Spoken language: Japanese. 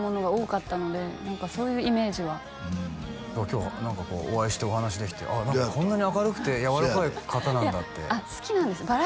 そういうイメージは今日は何かこうお会いしてお話しできてこんなに明るくてやわらかい方なんだって好きなんです